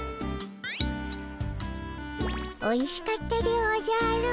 おいしかったでおじゃる。